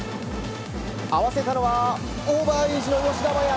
合わせたのはオーバーエージの吉田麻也。